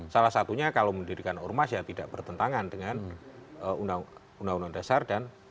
salah satunya kalau mendirikan ormas ya tidak bertentangan dengan undang undang dasar dan